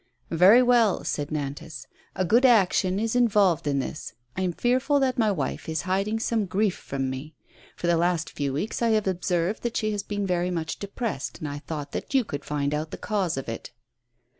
" Very well," said Nantas, "a good action is involved in this. I am fearful that my wife is hiding some grief from me. For the last few weeks I have observed that she has been very much depressed, and I thought that 3^ou could find out the cause of it."